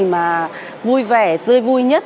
mà vui vẻ tươi vui nhất